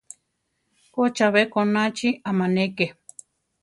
Ko, chabé konachi amáneke.